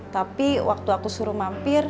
tapi waktu aku suruh mampir